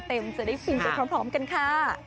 จะได้ฟินไปพร้อมกันค่ะ